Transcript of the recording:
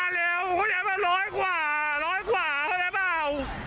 ผมมาเร็วเขาเรียกว่าร้อยกว่าร้อยกว่าเข้าใจเปล่า